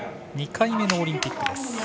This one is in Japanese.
２回目のオリンピックです。